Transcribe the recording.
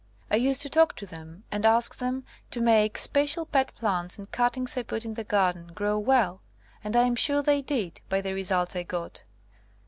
I used to talk to them and ask them to make special pet plants and cut tings I put in the garden grow well, and I am sure they did, by the results I got.